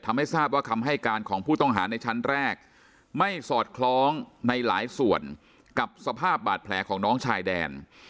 ทำให้ทราบว่าคำให้การของผู้ต้องหาในชั้นแรกไม่สอดคล้องในหลายส่วนกับสภาพบาดแผลของน้องชายแดน